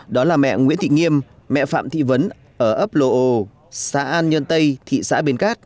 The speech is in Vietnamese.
đó là mẹ nguyễn thị nghiêm mẹ phạm thị vấn ở ấp lô xã an nhân tây thị xã bến cát